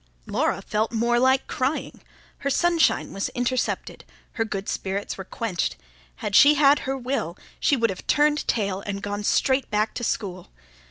Laura felt more like crying; her sunshine was intercepted, her good spirits were quenched; had she had her will, she would have turned tail and gone straight back to school.